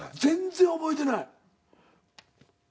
全然覚えてない。